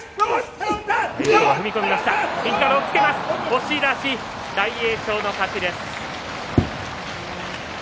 押し出し大栄翔の勝ち。